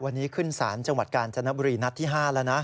วันนี้ขึ้นศาลจังหวัดกาญจนบุรีนัดที่๕แล้วนะ